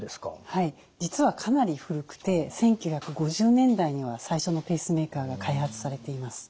はい実はかなり古くて１９５０年代には最初のペースメーカーが開発されています。